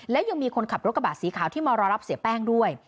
และยังมีคนขับรถกระบะสีขาวที่มารอรับเสียแป้งด้วย